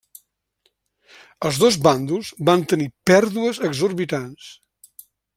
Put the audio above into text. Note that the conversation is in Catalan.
Els dos bàndols van tenir pèrdues exorbitants.